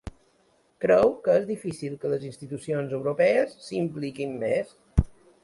Creu que és difícil que les institucions europees s’hi impliquin més.